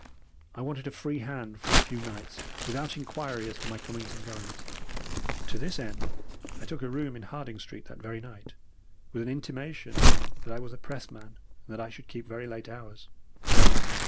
I wanted a free hand for a few nights, without inquiry as to my comings and goings. To this end I took a room in Harding Street that very night, with an intimation that I was a Pressman, and that I should keep very late hours.